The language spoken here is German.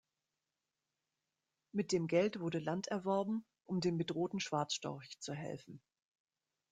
Mit dem Geld wurde Land erworben, um dem bedrohten Schwarzstorch zu helfen.